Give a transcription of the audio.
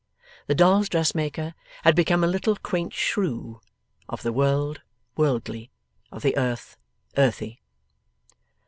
The doll's dressmaker had become a little quaint shrew; of the world, worldly; of the earth, earthy.